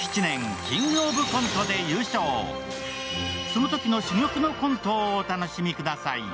そのときの珠玉のコントをお楽しみください。